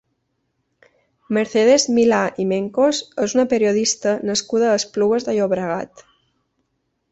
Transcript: Mercedes Milà i Mencos és una periodista nascuda a Esplugues de Llobregat.